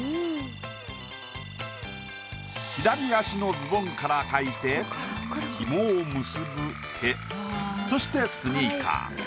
左足のズボンから描いて紐を結ぶ絵そしてスニーカー。